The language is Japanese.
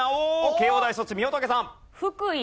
慶應大卒みほとけさん。